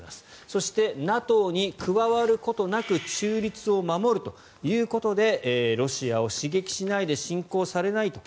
そしてＮＡＴＯに加わることなく中立を守るということでロシアを刺激しないで侵攻されないと。